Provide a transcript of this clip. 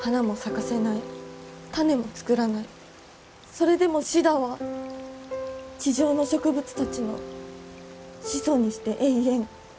それでもシダは地上の植物たちの始祖にして永遠。